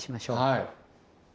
はい。